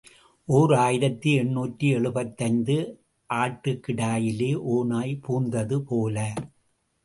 ஓர் ஆயிரத்து எண்ணூற்று எழுபத்தைந்து ஆட்டுக்கிடையிலே ஓநாய் புகுந்ததுபோல.